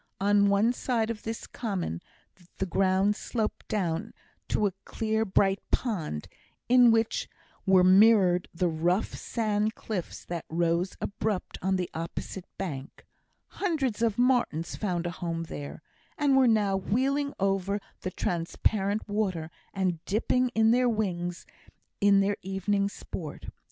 On one side of this common, the ground sloped down to a clear bright pond, in which were mirrored the rough sand cliffs that rose abrupt on the opposite bank; hundreds of martens found a home there, and were now wheeling over the transparent water, and dipping in their wings in their evening sport.